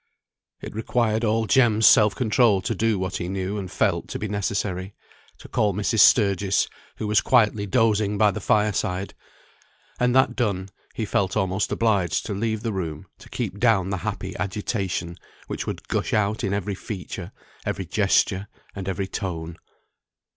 It required all Jem's self control to do what he knew and felt to be necessary, to call Mrs. Sturgis, who was quietly dozing by the fireside; and that done, he felt almost obliged to leave the room to keep down the happy agitation which would gush out in every feature, every gesture, and every tone.